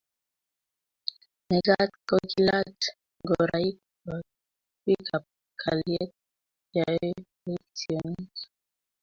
mekat kokiilach ngoraikwak biikab kalyet ya yoe boisionik.